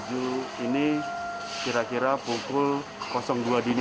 hai bekas jenangan meluapnya wain